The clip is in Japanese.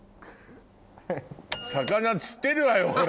魚釣ってるわよほら。